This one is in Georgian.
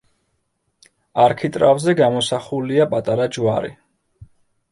არქიტრავზე გამოსახულია პატარა ჯვარი.